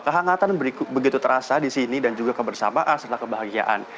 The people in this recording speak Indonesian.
kehangatan begitu terasa di sini dan juga kebersamaan serta kebahagiaan